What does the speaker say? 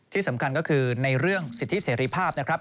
ที่สำคัญก็คือในเรื่องสิทธิเสรีภาพนะครับ